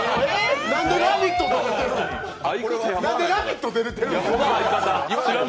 何で「ラヴィット！」に出れてるん？